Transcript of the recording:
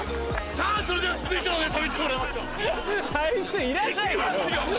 さぁそれでは続いてのネタ見てもらいましょう。